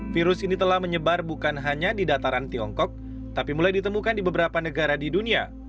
virus ini telah menyebar bukan hanya di dataran tiongkok tapi mulai ditemukan di beberapa negara di dunia